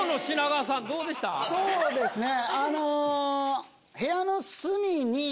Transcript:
そうですねあの。